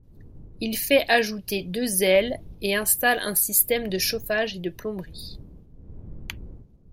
Il fait ajouter deux ailes et installe un système de chauffage et de plomberie.